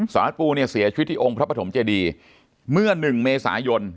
สรวจปูเสียชีวิตที่องค์พระาษฐมเจดีมาเมื่อ๑เมษายน